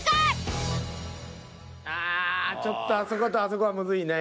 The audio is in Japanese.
ああちょっとあそことあそこはむずいね。